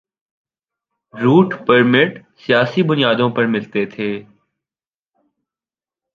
Route permit سیاسی بنیادوں پہ ملتے تھے۔